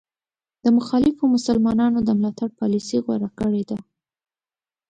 د مخالفو مسلمانانو د ملاتړ پالیسي غوره کړې ده.